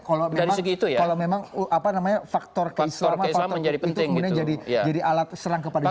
kalau memang faktor keislaman menjadi alat serang kepada jokowi